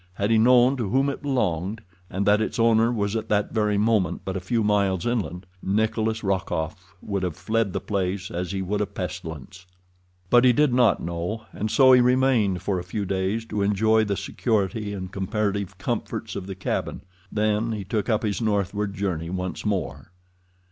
Had he known to whom it belonged, and that its owner was at that very moment but a few miles inland, Nikolas Rokoff would have fled the place as he would a pestilence. But he did not know, and so he remained for a few days to enjoy the security and comparative comforts of the cabin. Then he took up his northward journey once more.